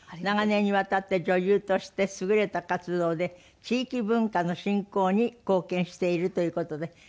長年にわたって女優として優れた活動で地域文化の振興に貢献しているという事で。